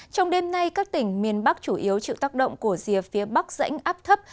trong đêm nay các tỉnh miền bắc chủ yếu chịu tác động của rìa phía bắc dãnh áp thấp